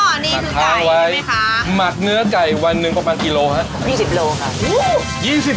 หมักเนื้อไก่วันหนึ่งประมาณกี่โลครับ